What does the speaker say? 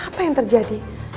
apa yang terjadi